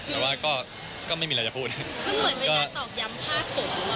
แต่ว่าก็ไม่มีหรือแล้วจะพูด